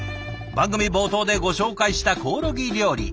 番組冒頭でご紹介したコオロギ料理。